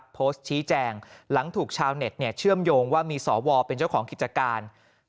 โพสต์ชี้แจงหลังถูกชาวเน็ตเชื่อมโยงว่ามีสวเป็นเจ้าของกิจการ